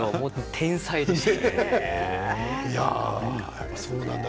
天才でした。